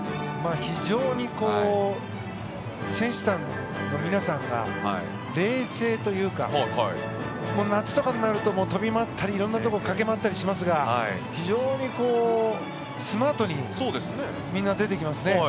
非常に選手団の皆さんが冷静というか夏とかになると飛び回ったり色んなところを駆け回ったりしますが非常にスマートにみんな出てきますね。